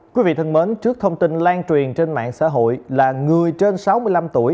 quý vị thân mến trước thông tin lan truyền trên mạng xã hội là người trên sáu mươi năm tuổi